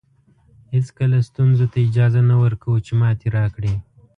هېڅکله ستونزو ته اجازه نه ورکوو چې ماتې راکړي.